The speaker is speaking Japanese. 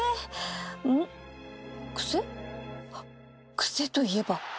あっ癖といえば